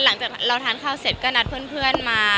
หลังจากเราทานข้าวเสร็จก็นัดเพื่อนมา